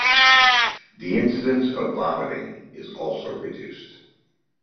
The incidence of vomiting is also reduced.